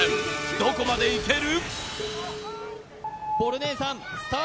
どこまでいける？